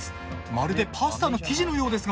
まるでパスタの生地のようですが。